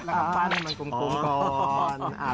รัคภรรน์ให้มันกลมก่อน